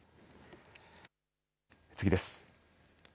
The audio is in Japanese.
次です。